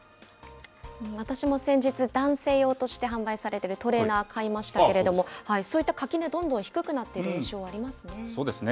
私も先日、男性用として販売されているトレーナー買いましたけれども、そういった垣根、どんどん低くなっている印象ありますそうですね。